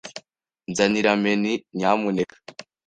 Nzanira menu, nyamuneka.